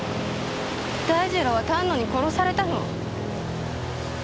大二郎は丹野に殺されたの。